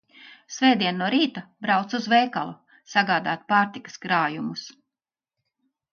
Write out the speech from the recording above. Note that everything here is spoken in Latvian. Svētdien no rīta braucu uz veikalu sagādāt pārtikas krājumus.